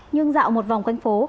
nhưng dạo một vòng quanh phố